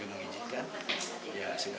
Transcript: yang nggak ada jadinya kayaknya bagus semuanya